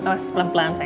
awas pelan pelan say